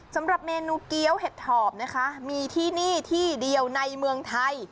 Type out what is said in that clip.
สำหรับเมนูเกี้ยวเห็ดถอบนะคะมีที่นี่ที่เดียวในเมืองไทย